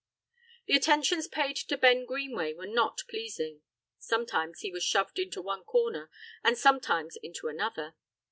The attentions paid to Ben Greenway were not pleasing; sometimes he was shoved into one corner and sometimes into another.